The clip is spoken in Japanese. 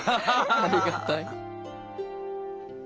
ありがたい。